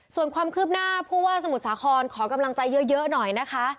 ส่วนความคืบหน้าผู้ว่าสมุทรสาครขอกำลังใจเยอะหน่อยนะคะ